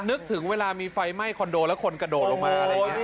นึกถึงเวลามีไฟไหม้คอนโดแล้วคนกระโดดลงมาอะไรอย่างนี้